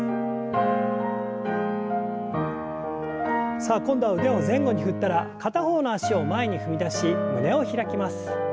さあ今度は腕を前後に振ったら片方の脚を前に踏み出し胸を開きます。